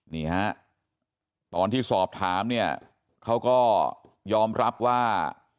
นี่ฮะตอนที่สอบถามเนี่ยเขาก็ยอมรับว่า